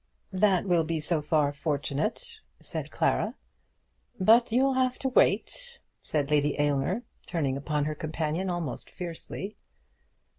"That will be so far fortunate," said Clara. "But you'll have to wait," said Lady Aylmer, turning upon her companion almost fiercely.